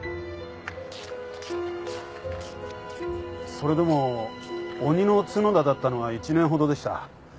それでも「鬼の角田」だったのは１年ほどでした。